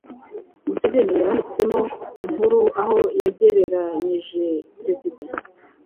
Museveni yanditsemo inkuru aho yagereranyije Perezida